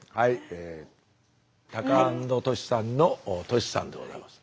タカアンドトシさんのトシさんでございます。